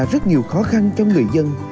rất nhiều khó khăn cho người dân